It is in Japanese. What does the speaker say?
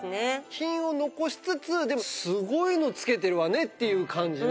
品を残しつつでもすごいの着けてるわねっていう感じね。